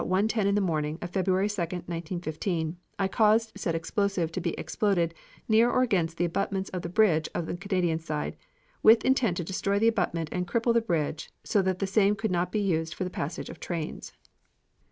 10 in the morning of February 2, 1915, I caused said explosive to be exploded near or against the abutments of the bridge on the Canadian side, with intent to destroy the abutment and cripple the bridge so that the same could not be used for the passage of trains."